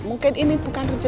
mungkin ini bukan rezeki bapak